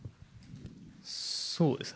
そうですね。